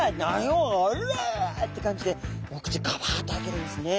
おら！」って感じでお口ガバッと開けるんですね。